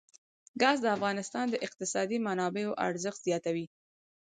ګاز د افغانستان د اقتصادي منابعو ارزښت زیاتوي.